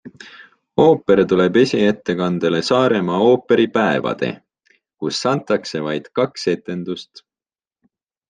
Ooper tuleb esiettekandele Saaremaa ooperipäevade, kus antakse vaid kaks etendust.